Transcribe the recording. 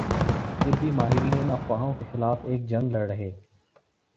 طبی ماہرین ان افواہوں کے خلاف ایک جنگ لڑ رہے